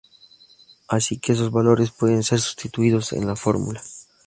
Así que esos valores pueden ser sustituidos en la fórmula.